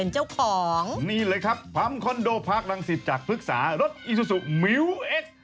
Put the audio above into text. จากภึกษารถอีซูซูมิวเอ็กซ์